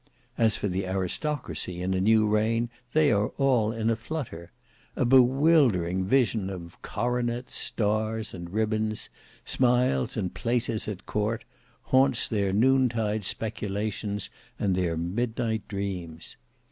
As for the aristocracy in a new reign, they are all in a flutter. A bewildering vision of coronets, stars, and ribbons; smiles, and places at court; haunts their noontide speculations and their midnight dreams.